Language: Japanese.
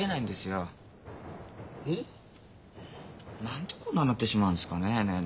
何でこんななってしまうんですかねえ